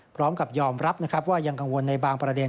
พร้อมกับยอมรับนะครับว่ายังกังวลในบางประเด็น